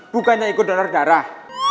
bukannya ikut donor darah